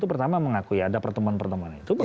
tapi yang secara yuridis